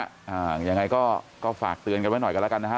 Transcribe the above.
อ่ายังไงก็ก็ฝากเตือนกันไว้หน่อยกันแล้วกันนะฮะ